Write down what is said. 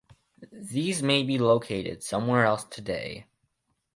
These may be located somewhere else today.